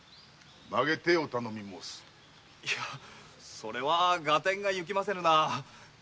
それは合点がいきませぬな。